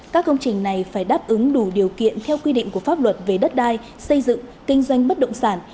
các công trình này phải đáp ứng đủ điều kiện theo quy định của pháp luật về đất đai xây dựng kinh doanh bất động sản